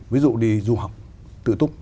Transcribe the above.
ví dụ đi du học tự túc